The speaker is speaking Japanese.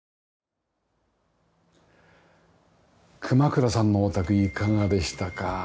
熊倉さんのお宅いかがでしたか？